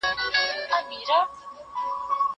زه بايد پوښتنه وکړم!!